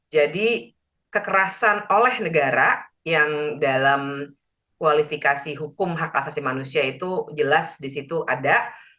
jadi kekerasan oleh negara yang dalam kualifikasi hukum hak asasi manusia itu jelas di situ ada